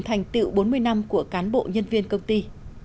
thành tiệu bốn mươi năm của cán bộ nhân viên công ty